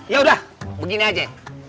yaudah begini aja